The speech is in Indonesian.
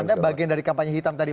itu bagian dari kampanye hitam tadi mas